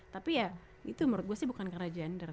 tapi ya itu menurut gue sih bukan karena gender